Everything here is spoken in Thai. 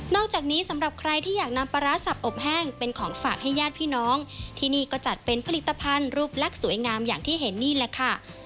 อกจากนี้สำหรับใครที่อยากนำปลาร้าสับอบแห้งเป็นของฝากให้ญาติพี่น้องที่นี่ก็จัดเป็นผลิตภัณฑ์รูปลักษณ์สวยงามอย่างที่เห็นนี่แหละค่ะ